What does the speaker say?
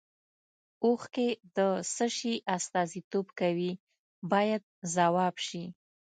اوښکې د څه شي استازیتوب کوي باید ځواب شي.